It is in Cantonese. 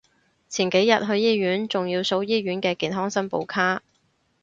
前幾日去醫院仲要掃醫院嘅健康申報卡